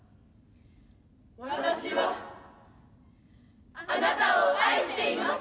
私はあなたを愛しています。